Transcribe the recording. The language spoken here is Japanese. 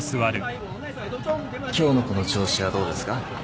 今日のこの調子はどうですか？